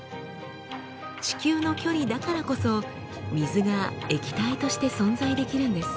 地球の距離だからこそ水が液体として存在できるんです。